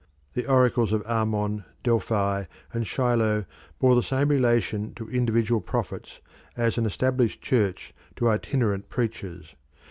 The oracles of Amon, Delphi, and Shiloh bore the same relation to individual prophets as an Established Church to itinerant preachers.